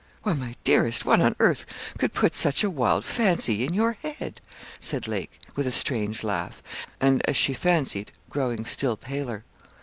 'Why, my dearest, what on earth could put such a wild fancy in your head?' said Lake, with a strange laugh, and, as she fancied, growing still paler.